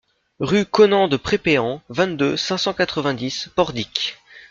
Rue Conen de Prépéan, vingt-deux, cinq cent quatre-vingt-dix Pordic